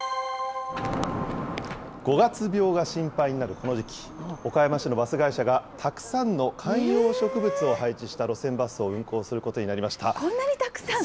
五月病が心配になるこの時期、岡山市のバス会社がたくさんの観葉植物を配置した路線バスを運行こんなにたくさん。